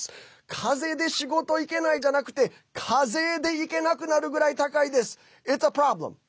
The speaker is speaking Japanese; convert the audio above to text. かぜで仕事行けないんじゃなくて課税で行けなくなるぐらい高いです。